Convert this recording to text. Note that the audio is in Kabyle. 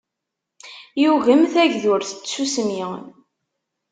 Yugem tagdurt n tsusmi.